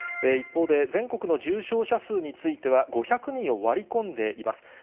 一方で、全国の重症者数については５００人を割り込んでいます。